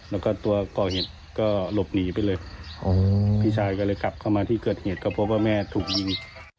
แล้วก็ตัวก่อเหตุก็หลบหนีไปเลยพี่ชายก็เลยกลับเข้ามาที่เกิดเหตุก็พบว่าแม่ถูกยิง